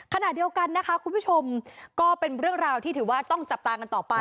ขณะเดียวกันนะคะคุณผู้ชมก็เป็นเรื่องราวที่ถือว่าต้องจับตากันต่อไป